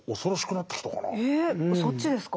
そっちですか？